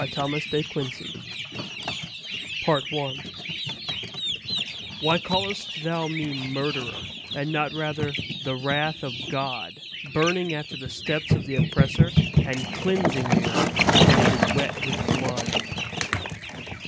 Thomas De Quincey The Avenger "Why callest thou me murderer, and not rather the wrath of God burning after the steps of the oppressor, and cleansing the earth when it is wet with blood?"